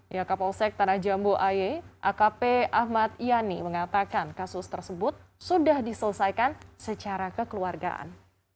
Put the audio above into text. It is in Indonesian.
ya kapolsek tanah jambu aye akp ahmad yani mengatakan kasus tersebut sudah diselesaikan secara kekeluargaan